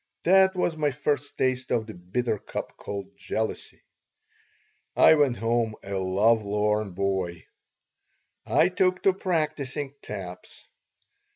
That was my first taste of the bitter cup called jealousy I went home a lovelorn boy I took to practising "taps."